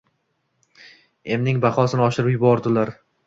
Emning bahosini oshirib yubordilar